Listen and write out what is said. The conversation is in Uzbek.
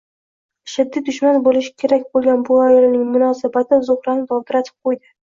Ashaddiy dushman bo`lishi kerak bo`lgan bu ayolning munosabati Zuhrani dovdiratib quydi